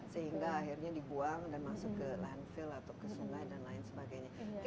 sehingga akhirnya dibuang dan masuk ke landfill atau ke sungai dan lain sebagainya